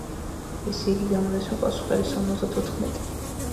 ესე იგი, გამოდის რომ პასუხი არის სამოცდათოთხმეტი.